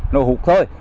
nó hút thôi